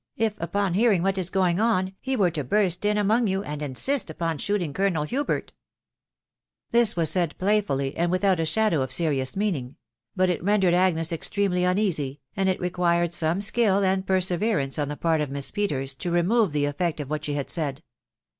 if, upon hearing what is going on, he were to burst in among you, and insist upon shooting Colonel Hubert ?" This was said playfully, and without a shadow of serious meaning ; but it rendered Agnes extremely uneasy, and it re quired some skill and perseverance on the part of Miss Peters to remove the effect of what she had said.